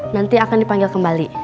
nanti akan dipanggil kembali